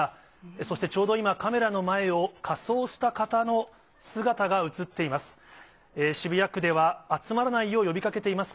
そしてちょうど今、カメラの前を、仮装した方の姿が映っています。